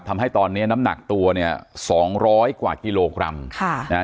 ทำให้ตอนนี้น้ำหนักตัวเนี่ยสองร้อยกว่ากิโลกรัมค่ะนะฮะ